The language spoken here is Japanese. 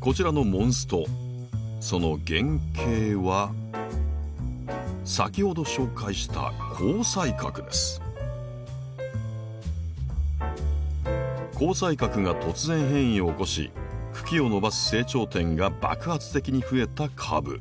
こちらのモンストその原型は先ほど紹介した紅彩閣が突然変異を起こし茎を伸ばす成長点が爆発的にふえた株。